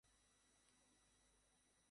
মেয়েটা কোমায় চলে গেছে।